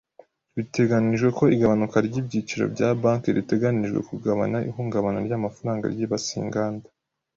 Biteganijwe ko igabanuka ry’ibiciro bya banki riteganijwe kugabanya ihungabana ry’amafaranga ryibasiye inganda.